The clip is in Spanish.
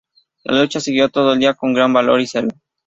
La lucha siguió todo el día con gran valor y celo.